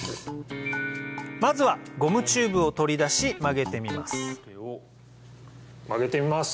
まずはゴムチューブを取り出し曲げてみます曲げてみます！